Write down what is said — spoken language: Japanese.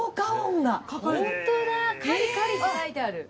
「カリッカリ」って書いてある！